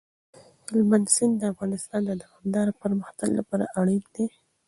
هلمند سیند د افغانستان د دوامداره پرمختګ لپاره اړین دی.